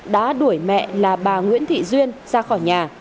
đã đuổi mẹ là bà nguyễn thị duyên ra khỏi nhà